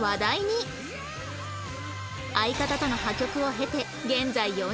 相方との破局を経て現在４０歳